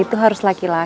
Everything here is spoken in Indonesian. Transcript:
bekerja sama kita